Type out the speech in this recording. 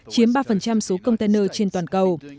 chiếm ba số container trên toàn cầu